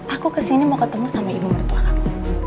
aku kesini mau ketemu sama ibu mertua kami